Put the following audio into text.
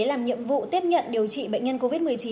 làm nhiệm vụ tiếp nhận điều trị bệnh nhân covid một mươi chín